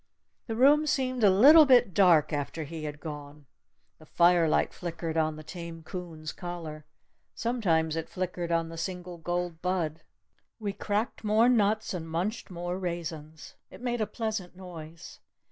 The room seemed a little bit dark after he had gone. The firelight flickered on the tame coon's collar. Sometimes it flickered on the single gold bud. We cracked more nuts and munched more raisins. It made a pleasant noise.